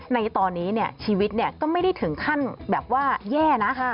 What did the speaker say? ในตอนนี้ชีวิตก็ไม่ได้ถึงขั้นแบบว่าแย่นะ